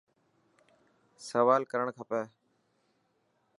سوال ڪرڻ کٽي.